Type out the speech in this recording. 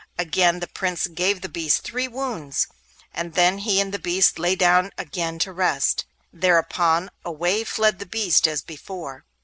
Again the Prince gave the beast three wounds, and then he and the beast lay down again to rest. Thereupon away fled the beast as before.